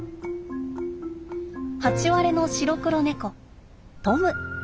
ハチワレの白黒猫トム。